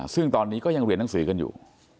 ซึ่งตอนนี้ก็ยังเรียนหนังสือกันอยู่